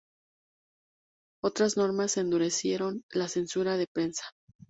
Otras normas endurecieron la censura de prensa.